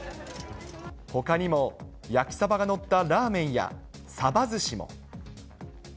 ほかにも焼きサバが載ったラーメンやサバずしも。